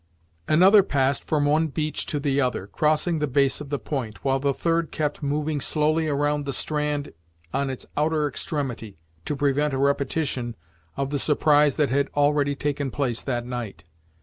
Another passed from one beach to the other, crossing the base of the point, while the third kept moving slowly around the strand on its outer extremity, to prevent a repetition of the surprise that had already taken place that night.